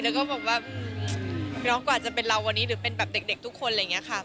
แล้วก็บอกว่าน้องกว่าจะเป็นเราวันนี้หรือเป็นแบบเด็กทุกคนอะไรอย่างนี้ค่ะ